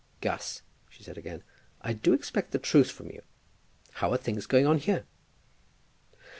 "Gus," she said again, "I do expect the truth from you. How are things going on here?"